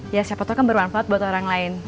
ya siapa tau kan ber manfaat buat orang lain